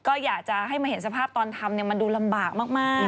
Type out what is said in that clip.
ก็อยากจะให้มาเห็นสภาพตอนทำมันดูลำบากมาก